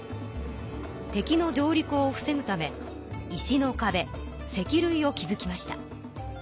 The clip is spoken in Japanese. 敵の上陸を防ぐため石のかべ石るいを築きました。